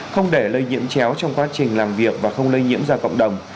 không để lây nhiễm chéo trong quá trình làm việc và không lây nhiễm ra cộng đồng